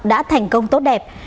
đã thành công tốt đẹp